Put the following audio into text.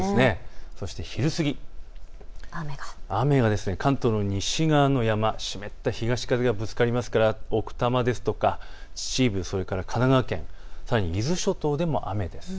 そして昼過ぎ、雨が関東の西側の山、湿った東風がぶつかりますから奥多摩ですとか秩父、それから神奈川県、さらに伊豆諸島でも雨です。